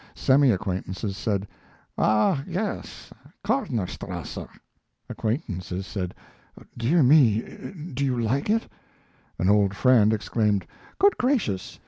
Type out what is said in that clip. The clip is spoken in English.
Semi acquaintances said, "Ah, yes, Kornerstrasse"; acquaintances said, "Dear me, do you like it?" An old friend exclaimed, "Good gracious!